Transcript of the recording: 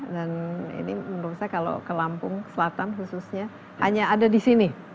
dan ini menurut saya kalau ke lampung selatan khususnya hanya ada di sini